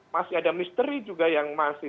masih ada misteri juga yang masih